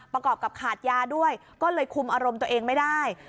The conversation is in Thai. ประกอบกับขาดยาด้วยก็เลยคุมอารมณ์ตัวเองไม่ได้